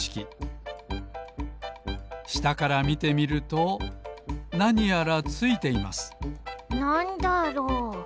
したからみてみるとなにやらついていますなんだろう？